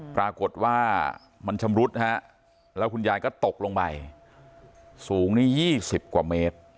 ปรากฏว่ามันชำรุดฮะแล้วคุณยายก็ตกลงไปสูงนี่๒๐กว่าเมตร